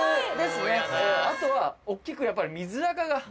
あとは大っきくやっぱり。